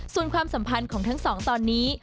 ส่วนความสัมพันธ์ของทั้งสองตอนนี้